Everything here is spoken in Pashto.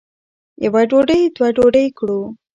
یوه ډوډۍ دوه ډوډۍ کړو.